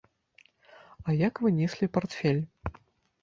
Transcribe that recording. А як вы неслі партфель?